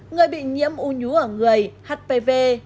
một người bị nhiễm u nhú ở người hpv